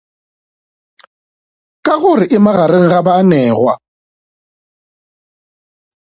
Ka gore e magareng ga baanegwa.